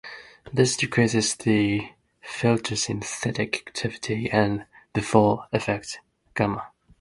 This decreases the photosynthetic activity and therefore affects gamma.